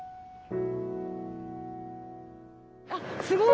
あっすごい！